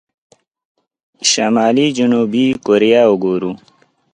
شمالي جنوبي کوريا وګورو.